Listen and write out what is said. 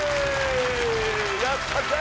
やったぜ！